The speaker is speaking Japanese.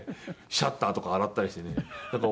シャッターとか洗ったりしてね。